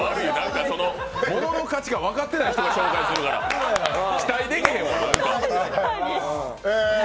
モノの価値が分かってない人が紹介するんやから期待できへん。